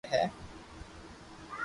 ماري ماتا اموري رڪݾہ ڪري ھي